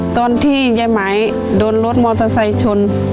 ตอนที่ยายหมายโดนรถมอเตอร์ไซค์ชน